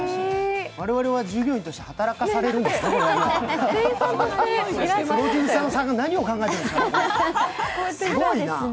われわれは従業員として働かされるんですか？